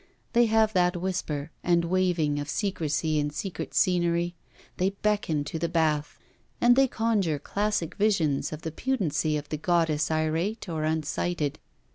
They have that whisper and waving of secresy in secret scenery; they beckon to the bath; and they conjure classic visions of the pudency of the Goddess irate or unsighted.